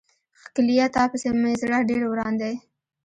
ښکليه تا پسې مې زړه ډير وران دی.